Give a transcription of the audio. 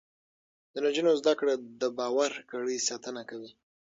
د نجونو زده کړه د باور کړۍ ساتنه کوي.